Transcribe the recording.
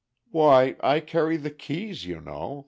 "Why, I carry the keys, you know.